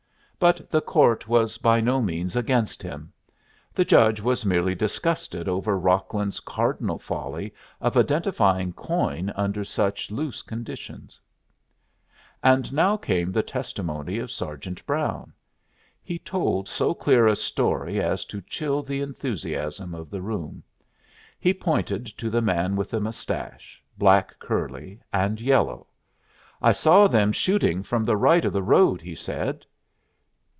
But the court was by no means against him. The judge was merely disgusted over Rocklin's cardinal folly of identifying coin under such loose conditions. And now came the testimony of Sergeant Brown. He told so clear a story as to chill the enthusiasm of the room. He pointed to the man with the mustache, black curly, and yellow. "I saw them shooting from the right of the road," he said.